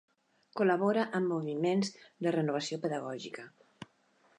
Col·labora amb moviments de renovació pedagògica.